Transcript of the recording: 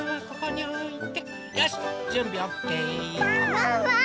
ワンワーン！